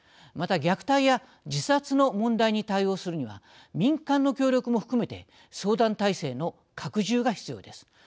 また、虐待や自殺の問題に対応するには民間の協力も含めて相談体制の拡充が必要です。